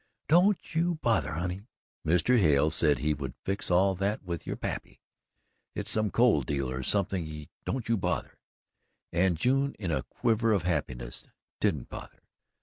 "Don't you bother, honey. Mr. Hale said he would fix all that with your pappy. It's some coal deal or something don't you bother!" And June in a quiver of happiness didn't bother.